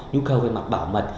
nhu cầu về mặt bảo mật